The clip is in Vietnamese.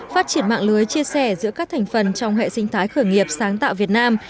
phát triển mạng lưới chia sẻ giữa các thành phần trong hệ sinh thái khởi nghiệp sáng tạo việt nam